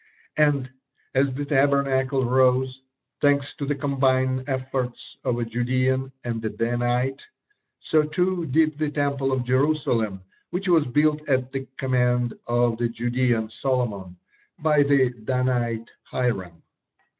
And as the Tabernacle rose, thanks to the combined efforts of a Judean and a Danite, so too did the Temple of Jerusalem, which was built at the command of the Judean Solomon by the Danite Hiram.